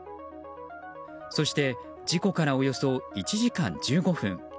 そして事故からおよそ１時間１５分。